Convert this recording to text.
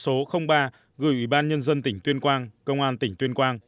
trong công văn số ba gửi ủy ban nhân dân tỉnh tuyên quang công an tỉnh tuyên quang